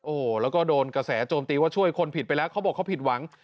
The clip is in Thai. โอ้โหแล้วก็โดนกระแสโจมตีว่าช่วยคนผิดไปแล้วเขาบอกเขาผิดหวัง